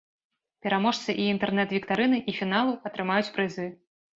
Пераможцы і інтэрнэт-віктарыны, і фіналу атрымаюць прызы.